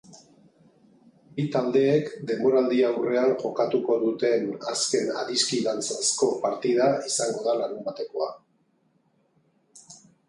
Bi taldeek denboraldi-aurrean jokatuko duten azken adiskidantzazko partida izango da larunbatekoa.